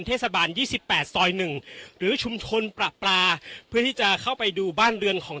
เทศบาล๒๘ซอย๑หรือชุมชนประปลาเพื่อที่จะเข้าไปดูบ้านเรือนของ